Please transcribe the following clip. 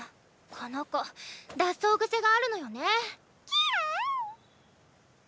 この子脱走グセがあるのよね。